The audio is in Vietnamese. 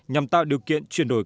nhằm tạo điều kiện chuyển đổi